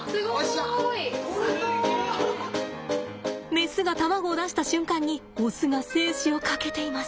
メスが卵を出した瞬間にオスが精子をかけています。